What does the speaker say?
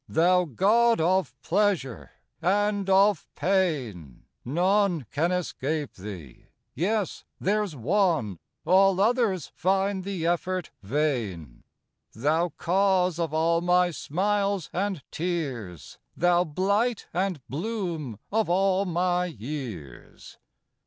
Thou god of pleasure and of pain ! None can escape thee yes there s one All others find the effort vain : Thou cause of all my smiles and tears ! Thou blight and bloom of all my years ! 70 LINES.